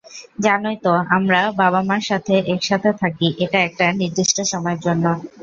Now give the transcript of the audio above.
জানোই তো, আমরা বাবা-মার সাথে একসাথে থাকি এটা একটা নির্দিষ্ট সময়ের জন্য।